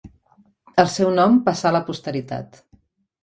El seu nom passà a la posteritat.